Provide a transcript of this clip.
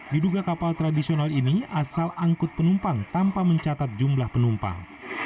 diduga kapal tradisional ini asal angkut penumpang tanpa mencatat jumlah penumpang